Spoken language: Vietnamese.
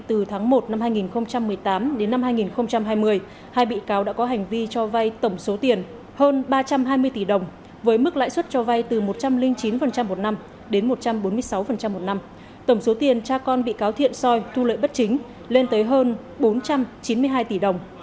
từ tháng một năm hai nghìn một mươi tám đến năm hai nghìn hai mươi hai bị cáo đã có hành vi cho vay tổng số tiền hơn ba trăm hai mươi tỷ đồng với mức lãi suất cho vay từ một trăm linh chín một năm đến một trăm bốn mươi sáu một năm tổng số tiền cha con bị cáo thiện soi thu lợi bất chính lên tới hơn bốn trăm chín mươi hai tỷ đồng